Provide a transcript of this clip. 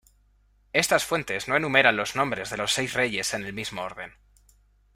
Estas fuentes no enumeran los nombres de los seis reyes en el mismo orden.